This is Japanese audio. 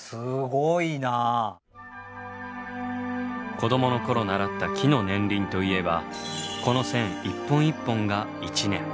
子どものころ習った木の年輪といえばこの線一本一本が１年。